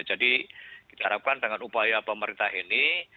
jadi kita harapkan dengan upaya pemerintah ini